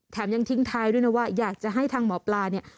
ยังทิ้งท้ายด้วยนะว่าอยากจะให้ทางหมอปลาเนี่ย